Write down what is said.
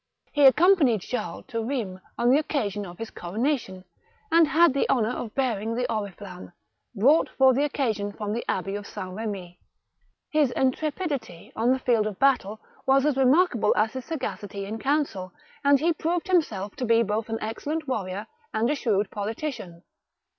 He accompanied Charles to Eheims on the occasion of his coronation, and had the honour of bearing the ori flamme, brought for the occasion from the abbey of S. Remi. His intrepidity on the field of battle was as remarkable as his sagacity in council, and he proved himself to be both an excellent warrior and a shrewd politician.